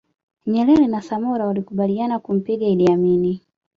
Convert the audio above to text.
Nyerere na Samora walikubaliana kumpiga Idi Amin